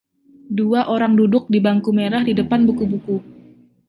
Dua orang duduk di bangku merah di depan buku-buku.